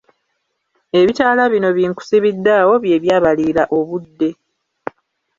Ebitaala bino binkusibiddaawo bye byabaliira obudde.